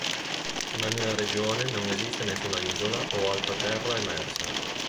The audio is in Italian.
Ma nella regione non esiste nessuna isola o altra terra emersa.